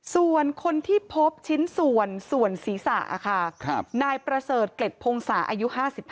ส่วนคนที่พบชิ้นส่วนส่วนศีรษะค่ะนายประเสริฐเกล็ดพงศาอายุ๕๕